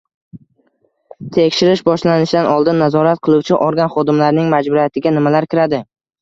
Tekshirish boshlanishidan oldin Nazorat qiluvchi organ xodimlarining majburiyatiga nimalar kiradi?